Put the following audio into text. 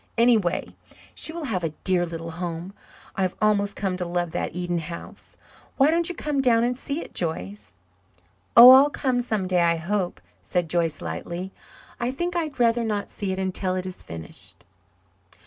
Anyway, she will have a dear little home. I've almost come to love that Eden house. Why don't you come down and see it, Joyce?" "Oh, I'll come some day I hope," said Joyce lightly. "I think I'd rather not see it until it is finished."